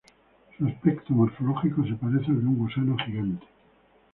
Su aspecto morfológico se parece al de un gusano gigante.